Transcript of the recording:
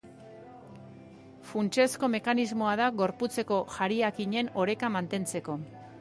Funtsezko mekanismoa da gorputzeko jariakinen oreka mantentzeko.